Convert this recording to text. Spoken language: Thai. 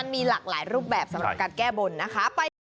มีหลากหลายรูปแบบสำหรับการแก้บนนะคะ